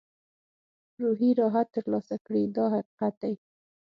روحي راحت ترلاسه کړي دا حقیقت دی.